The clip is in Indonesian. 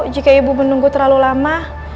jika ibu menunggu terlalu lama